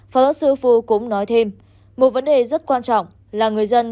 phó giáo sư phu cũng nói thêm một vấn đề rất quan trọng là người dân